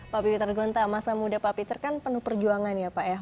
pak peter gonta masa muda pak peter kan penuh perjuangan ya pak ya